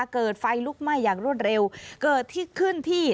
เกิดไฟลุกไหม้อย่างรวดเร็วเกิดที่ขึ้นที่